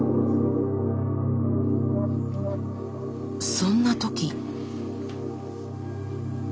そんな時。